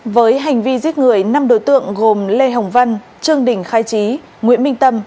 với hành vi giết người năm đối tượng gồm lê hồng văn trương đình khai trí nguyễn minh tâm